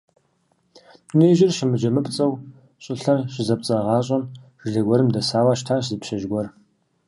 Дунеижьыр щымыджэмыпцӀэу щӀылъэр щызэпцӀагъащӀэм жылэ гуэрым дэсауэ щытащ зы пщыжь гуэр.